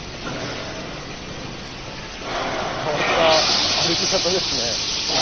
変わった歩き方ですね。